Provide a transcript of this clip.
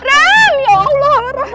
randy ya allah randy